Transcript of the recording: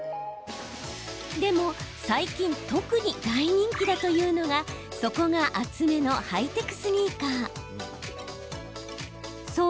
でも最近特に大人気だというのが底が厚めのハイテクスニーカー。